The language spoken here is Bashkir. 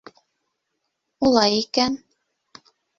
- Улай икән...